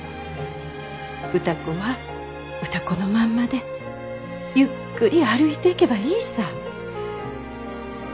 歌子は歌子のまんまでゆっくり歩いていけばいいさ。